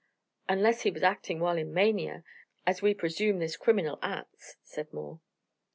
"Unless he was acting while in mania, as we presume this criminal acts," said Moore.